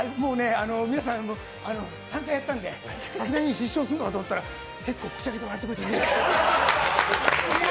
皆さん、３回やったんでさすがに失笑するかなと思ったら結構笑ってくれたね。